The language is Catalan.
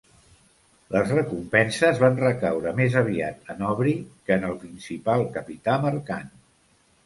Les recompenses van recaure més aviat en Aubrey que en el principal capità mercant.